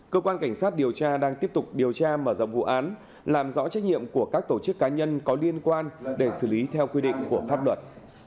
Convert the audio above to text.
cơ quan cảnh sát điều tra đang tiếp tục điều tra mở rộng vụ án làm rõ trách nhiệm của các tổ chức cá nhân có liên quan để xử lý theo quy định của pháp luật